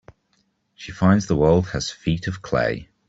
She finds the world has feet of clay.